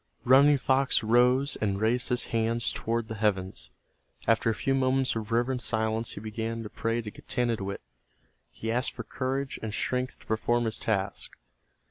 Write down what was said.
Running Fox rose and raised his hands toward the heavens. After a few moments of reverent silence he began to pray to Getanittowit. He asked for courage and strength to perform his task.